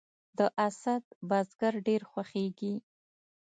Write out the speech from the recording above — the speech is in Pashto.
د اسد برګر ډیر خوښیږي